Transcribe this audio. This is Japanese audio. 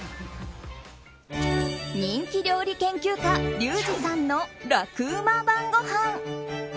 人気料理研究家リュウジさんの楽ウマ晩ごはん。